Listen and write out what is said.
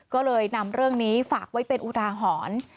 ก็เลยนำเรื่องนี้ฝากไว้เป็นอุทาหรณ์